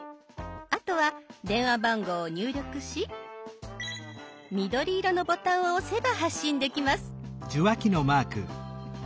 あとは電話番号を入力し緑色のボタンを押せば発信できます。